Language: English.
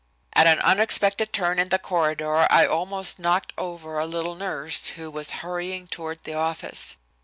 "At an unexpected turn in the corridor I almost knocked over a little nurse who was hurrying toward the office.